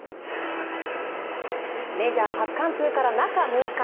メジャー初完封から中６日。